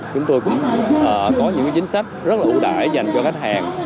chúng tôi cũng có những chính sách rất là ưu đại dành cho khách hàng